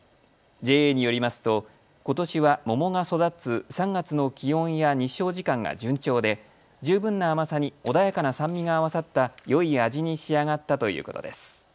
ＪＡによりますとことしは桃が育つ３月の気温や日照時間が順調で十分な甘さに穏やかな酸味が合わさったよい味に仕上がったということです。